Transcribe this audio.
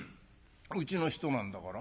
うちの人なんだから。